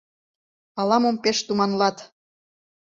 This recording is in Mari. Ала-мом пеш туманлат.